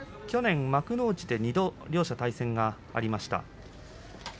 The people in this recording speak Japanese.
去年幕内で２度両者対戦がありました。